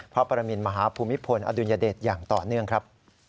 ปรมินมหาภูมิพลอดุลยเดชอย่างต่อเนื่องครับ